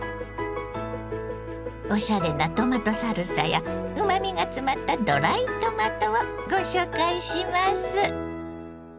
おしゃれなトマトサルサやうまみが詰まったドライトマトをご紹介します。